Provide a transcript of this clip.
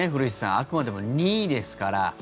あくまでも任意ですから。